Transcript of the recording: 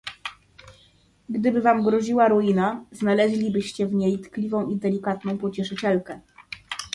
"Gdyby wam groziła ruina, znaleźlibyście w niej tkliwą i delikatną pocieszycielkę."